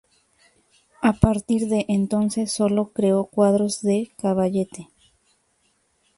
A partir de entonces, sólo creó cuadros de caballete.